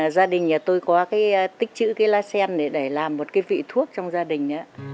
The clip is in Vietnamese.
gia đình nhà tôi có cái tích chữ cái lá sen để làm một cái vị thuốc trong gia đình